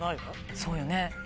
そうよね。